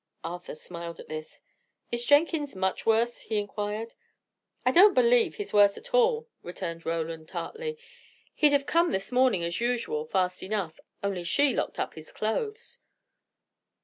Arthur smiled at this. "Is Jenkins much worse?" he inquired. "I don't believe he's worse at all," returned Roland, tartly. "He'd have come this morning, as usual, fast enough, only she locked up his clothes."